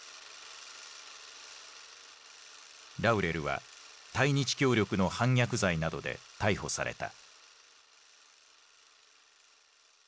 ラウレルは対日協力の反逆罪などで逮捕された。